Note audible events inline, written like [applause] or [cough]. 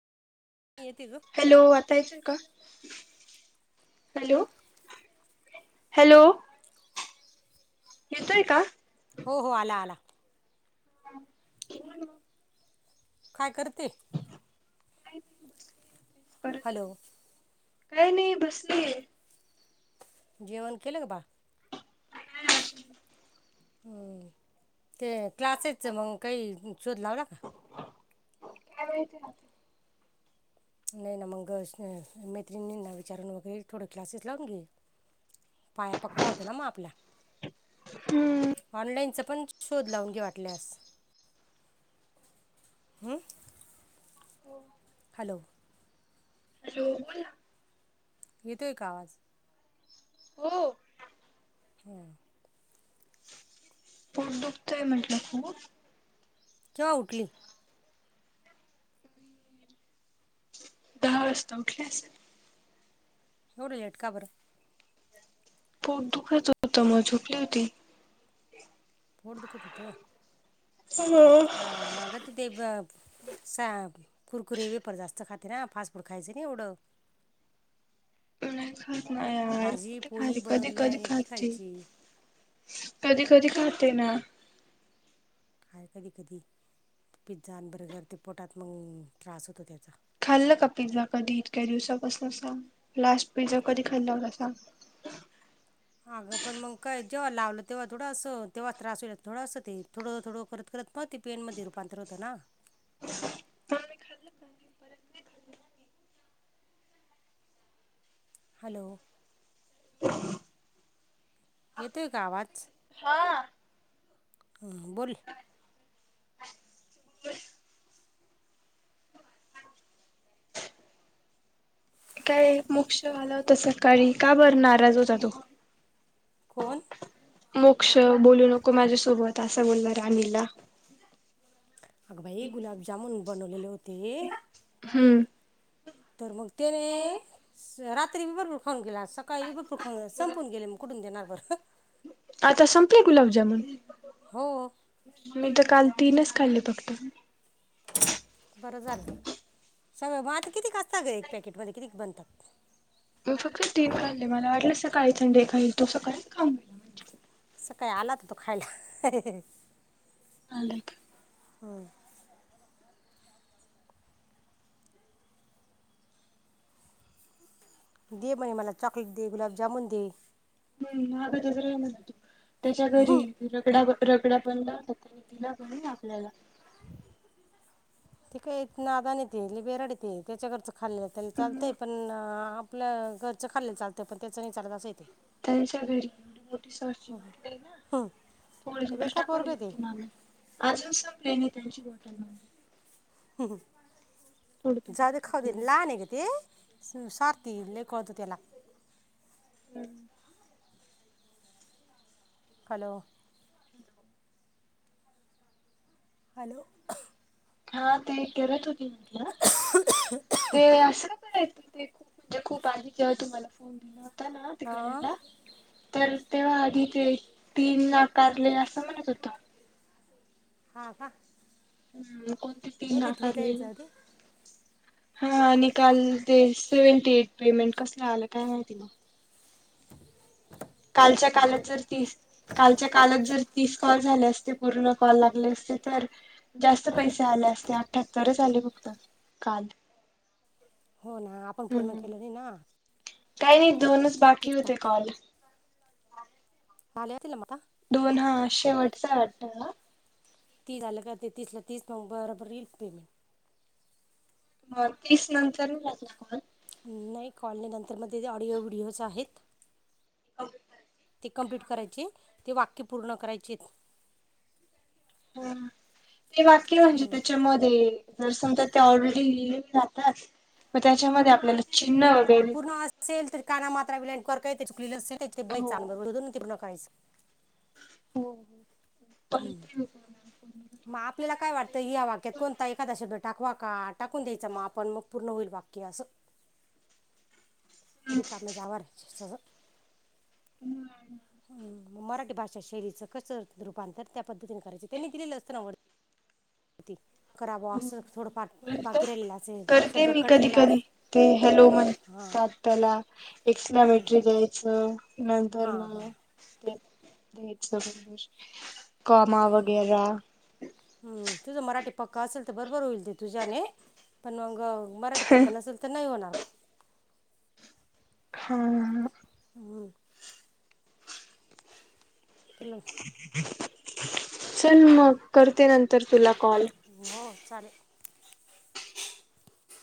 येते गं. हॅलो आता येतोय का? हॅलो? हॅलो? येतोय का? हो हो आला आला. [inaudible] काय करते? हॅलो? काय नाही बसली आहे. जेवण केलं का बाळ? [inaudible] होय ते क्लासेसच मग काही शोध लावला का? [inaudible] नाही ना मग मैत्रिणींना विचारून वगैरे थोडं क्लासेस लावून घे. पाया पक्का होतो ना मग आपला हम्म ऑनलाईनच पण शोध लावून घे वाटल्यास. हम्म. हो. हॅलो? हॅलो बोल ना? येतोय का आवाज? हो. हम्म. पोट दुखतंय म्हंटलं खूप. केव्हा उठली? दहा वाजता उठले असेल. एवड लेट का बरं पोट दुखतं होतं मग झोपली होती. पोट दुखत होतं. हां, अगं तर ते ब सा कुरकुरी वेपर जास्त खाते ना, फास्ट फूड खायचं नाही एवढं. [inaudible] नाही खात नाही यार भाजी कुठे पोळी खाते, कधी बनवलेली आहे कधी आणि ती खाते. खायची कधी कधी खाते ना काय कधी कधी,, पिझ्झा आणि बर्गर ते पोटात मग त्रास होतो त्याचा. खाल्लं का पिझ्झा कधी इतक्या दिवसापासनं सांग, लास्ट पिझ्झा कधी खाल्ला सांग? अगं पण मग काय जेव्हा लावलं तेव्हा थोडं असं, तेव्हा त्रासईल थोडं असं ते थोडं थोडं करत करत मग ते पेंनमध्ये रूपांतर होतं ना. हॅलो! येतोय का आवाज? हां. बोल काय मोक्ष आला होता सकाळी, का बरं नाराज होता तो? कोण? मोक्ष बोलू नको माझ्यासोबत असं बोलणार रानीला. अग बाई गुलाबजामुन बनवलेले होते, हम्म. तर मग तेने रात्री भरपूर खाऊन गेला, सकाळी वि भरपूर खाऊन संपून गेला, मी कुठून देणार सांग बरं. आता संपले गुलाबजामुन. हो. मी तर काल तीनच खाल्ले फक्त. बरं झालं, सगळ मग आता किती का असत ग एक पॅकेट मध्ये, किती बनतं मग फक्त तीन खाले, मला वाटलं सकाळी संंडे खाईल, तो सकाळी खाउ सकाळी आला होता तो खायला नालायक हम्म. दे म्हणे मला चॉकलेट दे, गुलाबजामुन दे, हम्म अग त घरी तो,, त्याच्या घरी रगडा, रगडा पण लाव तिला बणून आपल्याला त का नादाणये ते, लि बेराडी ते, त्याच्याकडचं खाल्लं चालतंय मग? पण आपलं घरचं खाल्लं चालतय पण त्याचं नाही चालत, असय ते. त्यांच्या घरी फक्त वाटली ना थोडी, लय थोडसंच बेकार टाकून पोरगं आहे दिली ती ते मागं. अजून संपले नाही त्यांची बॉटल थोडं थोडं जाऊदे खाऊदे थोडं लहान हय ग ते स्वार्थी, लय कळतं त्याला हम्म. हॅलो! हॅलो! हा ते करत होती मला ते असं का करायतील ते खूप म्हणजे खूप आधी जेव्हा तुम्हाला फोन दिला होता ना हां तिकडला तर तेव्हा आधी ते तीन नाकारले असं म्हणत होत हा का हम् कोणती तीन बघितलं तर नाकारलेल जाऊ दे हा आणि काल ते सेव्हंटी एट पेमेंट कसल! आलं काय माहिती मग कालच्या कालाच बघित जर तीस कालच्या कालच जर तीस कॉल झाले असते. पूर्ण कॉल लागले असते तर जास्त पैसे आले असते अठहत्तरच आले. फक्त काल हो ना आपण पूर्ण हम्म केलं नाही ना! काही नाही दोनच बाकी होते. कॉल मला येतील ना आता! दोन हा शेवटचा वाटत. हा तीस आलं का ते तीस ला तीस मग बरोबर येईल. पेमेंट मग तीस नंतर म लागला. कॉल नाही कॉल नही नंतर मध्ये ऑडिओ व्हडिओच आहेत. ते कंप्लीट करायचे. ते वाक्य पूर्ण करायचेत ह ते वाक्य म्हणजे त्याच्यामध्ये जर समजा ते ऑलरेडी जातात. म त्याच्यामध्ये आपल्याला चिन्ह ते वगैरे पूर्ण असेल तर काना मात्रा वेलांटी काही तरी चुकलेलं ते पूर्ण कहीच बघायचं हो आपण आणि ते पूर्ण करायचा. हो हो हम्म करते मी मग आपल्याला काय वाटतं. या वाक्यात कोणता एखादा शब्द टाकवा का टाकून द्यायचा मग आपण मग पूर्ण होईल वाक्य अस! रिकामी जागा भरायची तस हम् मराठी भाषा शैलीचं कसं रूपांतर त्या पद्धतीने करायचं त्यांनी दिलेलं असत. ना वर [unintelligible] कराव बुवा असं थोड फार पण बाकी राहील असेल. करते शब्द मी कधी कटलेला अस ते हॅलो हां हां म्हणतात त्याला एक्सला मेट्रिक द्यायचं नंतर हां मग हां ते सगळं फॉर्म वगैरा हम तुझं मराठी पक्का असेल. तर बरोबर होईल ते तुझ्याने पण मग मरा ठी पक्क नसेल. तर नाही होणार हा हम् तुला चल मग करते. नंतर तुला कॉल हो चालेल.